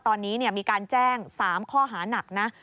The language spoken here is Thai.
ตอนนี้มีการแจ้ง๓ข้อหานักนะ